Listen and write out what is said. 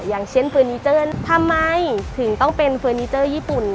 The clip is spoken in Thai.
อย่างเช่นเฟอร์นิเจอร์ทำไมถึงต้องเป็นเฟอร์นิเจอร์ญี่ปุ่น